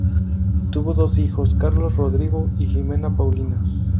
Tuvo dos hijos, Carlos Rodrigo y Ximena Paulina.